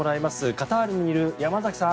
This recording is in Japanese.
カタールにいる山崎さん